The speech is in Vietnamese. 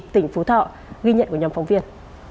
tỉnh phú thọ ghi nhận của nhóm phóng viên